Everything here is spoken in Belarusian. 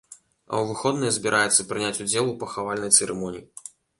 А ў выходныя збіраецца прыняць удзел у пахавальнай цырымоніі.